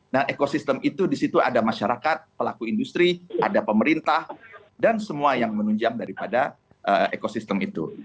nah ekosistem itu di situ ada masyarakat pelaku industri ada pemerintah dan semua yang menunjang daripada ekosistem itu